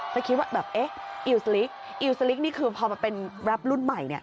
จะคิดว่าแบบเอ๊ะอิลสลิกอิวสลิกนี่คือพอมาเป็นแรปรุ่นใหม่เนี่ย